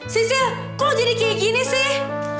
sisil kok lo jadi kayak gini sih